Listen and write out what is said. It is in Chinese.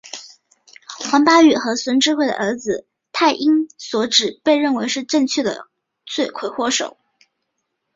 黄巴宇和孙智慧的儿子泰英被指认为真正的罪魁祸首。